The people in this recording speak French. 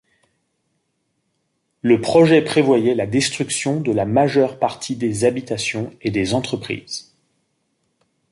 Le projet prévoyait la destruction de la majeure partie des habitations et des entreprises.